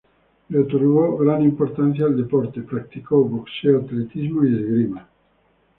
Le otorgó gran importancia al deporte: practicó boxeo, atletismo y esgrima.